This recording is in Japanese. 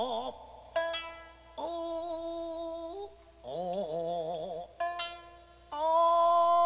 「ああ」